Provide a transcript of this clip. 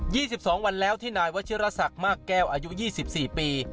ี่สิบสองวันแล้วที่นายวัชิรศักดิ์มากแก้วอายุยี่สิบสี่ปี